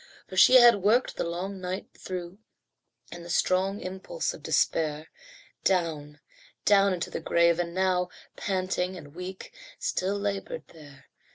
For she had worked the long night through, In the strong impulse of despair, Down, down into the grave and now, Panting and weak, still laboured there.